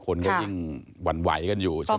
คนก็ยิ่งหวั่นไหวกันอยู่ใช่ไหม